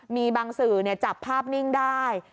มีบางสื่อจับภาพนิ่งได้